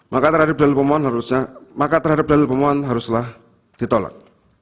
maka terhadap dalil pemohon haruslah ditolak